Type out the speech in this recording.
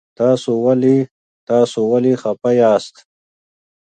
تاسو ولې خفه یاست؟